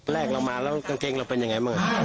แรกเรามาแล้วกางเกงเราเป็นอย่างไรมั้ง